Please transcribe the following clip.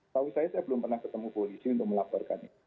tahu saya saya belum pernah ketemu polisi untuk melaporkannya